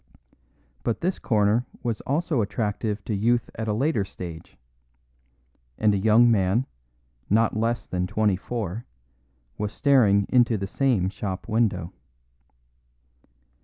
But this corner was also attractive to youth at a later stage; and a young man, not less than twenty four, was staring into the same shop window.